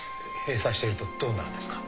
閉鎖してるとどうなるんですか？